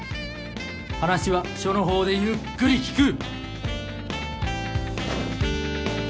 話は署の方でゆっくり聴く。